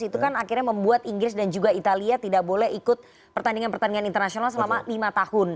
itu kan akhirnya membuat inggris dan juga italia tidak boleh ikut pertandingan pertandingan internasional selama lima tahun